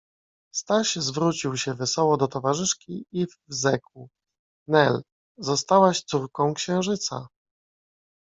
Staś zwrócił się wesoło do towarzyszki i fzekł: — Nel, zostałaś córką księżyca!